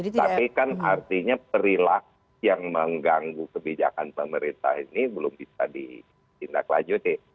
tapi kan artinya perilaku yang mengganggu kebijakan pemerintah ini belum bisa ditindaklanjuti